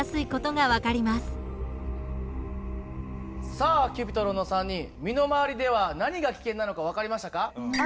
さあＣｕｐｉｔｒｏｎの３人身の回りでは何が危険なのか分かりましたか？